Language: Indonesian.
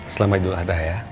selamat tidur ada ya